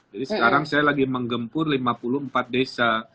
jadi sekarang saya lagi menggempur lima puluh empat desa